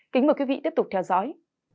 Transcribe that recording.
kính mời quý vị tiếp tục theo dõi